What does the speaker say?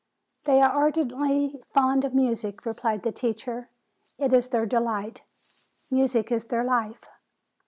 "They are ardently fond of music," replied the teacher. "It is their delight. Music is their life.